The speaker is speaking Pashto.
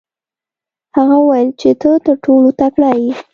هغه وویل چې ته تر ټولو تکړه یې.